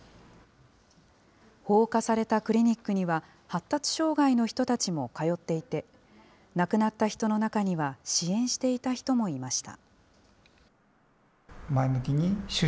放火されたクリニックには、発達障害の人たちも通っていて、亡くなった人の中には支援していた人もいました。